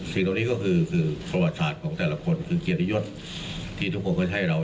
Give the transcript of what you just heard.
ตรงนี้ก็คือประวัติศาสตร์ของแต่ละคนคือเกียรติยศที่ทุกคนก็จะให้เรา